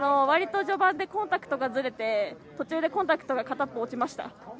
割と序盤でコンタクトがずれて途中でコンタクトが片方、落ちました。